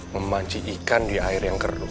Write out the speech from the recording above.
memanji ikan di air yang geruh